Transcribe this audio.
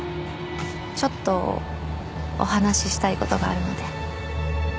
ちょっとお話ししたいことがあるので。